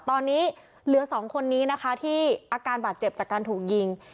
ตอนนี้เหลือ๒คนนี้นะคะที่อาการบาดเจ็บจากการถูกยิง